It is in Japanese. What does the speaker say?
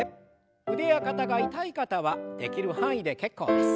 腕や肩が痛い方はできる範囲で結構です。